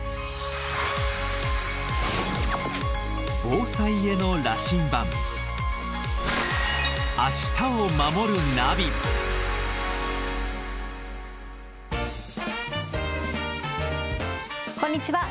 防災への羅針盤こんにちは。